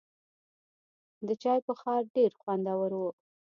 د چای بخار ډېر خوندور و.